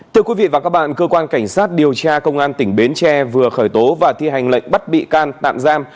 thưa quý vị và các bạn cơ quan cảnh sát điều tra công an tỉnh bến tre vừa khởi tố và thi hành lệnh bắt bị can tạm giam